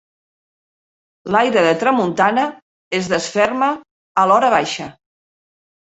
L'aire de tramuntana es desferma a l'horabaixa.